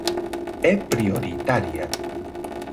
É prioritaria.